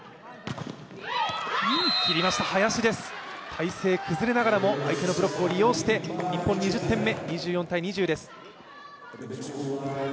体勢が崩れながらも相手のブロックを利用して日本、２０点目、２４−２０です。